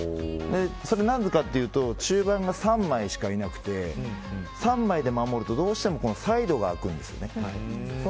それはなぜかというと中盤が３枚しかいなくて３枚で守るとどうしてもサイドが空くんです。